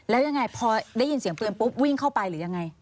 แล้วยังไงพอได้ยินเสียงปืนปุ๊บวิ่งเข้าไปหรือยังไง